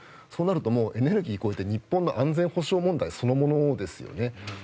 そうなるとエネルギーを超えて日本の安全保障問題そのものですよね。